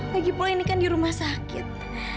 lagipula ini kan di rumah sakit